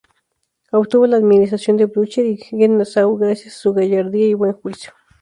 Obtuvo la admiración de Blücher y Gneisenau gracias a su gallardía y buen juicio.